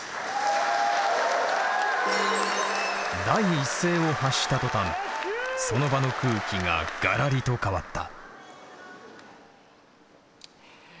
第一声を発した途端その場の空気がガラリと変わった。